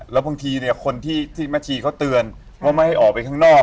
แล้วบางทีเนี่ยคนที่แม่ชีเขาเตือนว่าไม่ให้ออกไปข้างนอก